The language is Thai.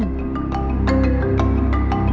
พระอิริยาบทประทับไขว้พระชง